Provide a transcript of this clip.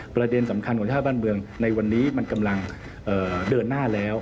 ประเด็นสำคัญของชาติบ้านเมืองในวันนี้มันกำลังเดินหน้าแล้ว